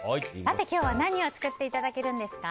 今日は何を作っていただけるんですか？